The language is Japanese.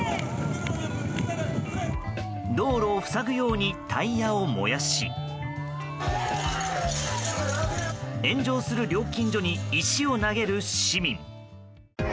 道路を塞ぐようにタイヤを燃やし炎上する料金所に石を投げる市民。